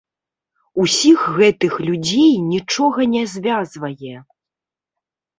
Усіх гэтых людзей нічога не звязвае.